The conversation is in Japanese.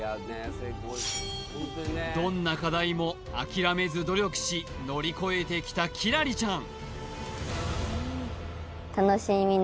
どんな課題も諦めず努力し乗り越えてきた輝星ちゃん